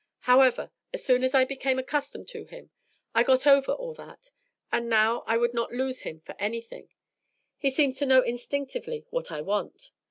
However, as soon as I became accustomed to him, I got over all that, and now I would not lose him for anything; he seems to know instinctively what I want.